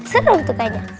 seru tuh kayaknya